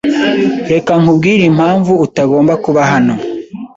Reka nkubwire impamvu utagomba kuba hano.